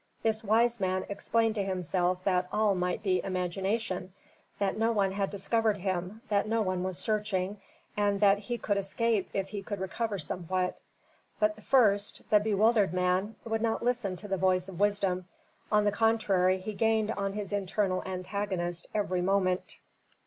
This wise man explained to himself that all might be imagination, that no one had discovered him, that no one was searching, and that he could escape if he would recover somewhat. But the first, the bewildered man, would not listen to the voice of wisdom; on the contrary, he gained on his internal antagonist every moment.